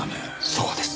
そこです。